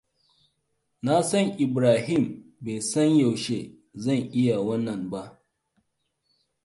Na san Ibrahim bai san yaushe zan yi wannan ba.